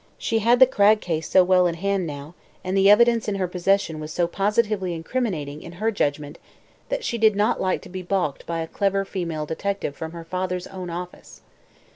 She had the Cragg case so well in hand, now, and the evidence in her possession was so positively incriminating, in her judgment, that she did not like to be balked by a clever female detective from her father's own office.